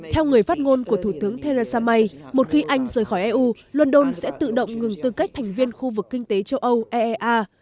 theo người phát ngôn của thủ tướng theresa may một khi anh rời khỏi eu london sẽ tự động ngừng tư cách thành viên khu vực kinh tế châu âu eea